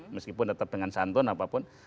meskipun tetap dengan santun apapun